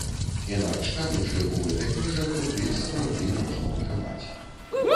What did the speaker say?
Інакш кажучы, у гэтых межах рубель сапраўды можна ўтрымаць.